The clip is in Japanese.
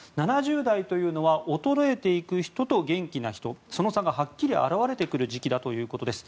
７０代というのは衰えていく人と元気な人の差がはっきり表れてくる時期だということです。